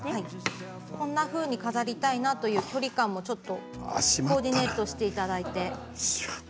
こんなふうに飾りたいなという距離感をコーディネートしていただいて。